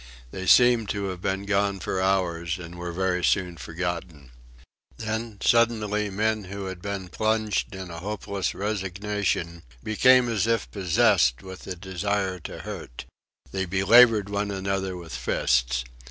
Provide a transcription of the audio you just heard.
They seemed to have been gone for hours, and were very soon forgotten. Then suddenly men who had been plunged in a hopeless resignation became as if possessed with a desire to hurt. They belaboured one another with fists.